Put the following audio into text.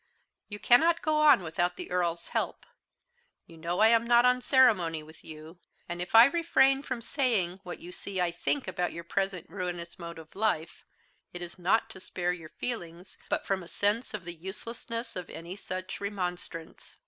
You cannot go on without the Earl's help. You know I am not on ceremony with you; and if I refrain from saying what you see I think about your present ruinous mode of life, it is not to spare your feelings, but from a sense of the uselessness of any such remonstrance.